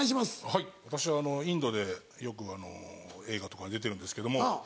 はい私はインドでよく映画とかに出てるんですけども。